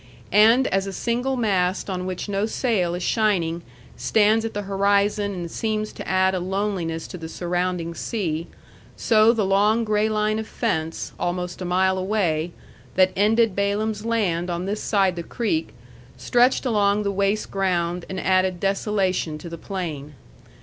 And as a single mast on which no sail is shining stands at the horizon and seems to add a loneliness to the surrounding sea, so the long gray line of fence, almost a mile away, that ended Balaam's land on this side the creek, stretched along the waste ground and added desolation to the plain.